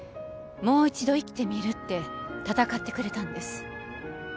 もう一度生きてみるって闘ってくれたんです